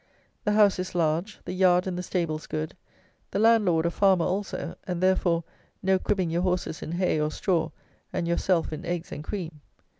The house is large, the yard and the stables good, the landlord a farmer also, and, therefore, no cribbing your horses in hay or straw and yourself in eggs and cream.